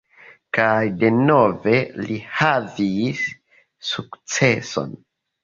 Kaj denove li havis sukceson.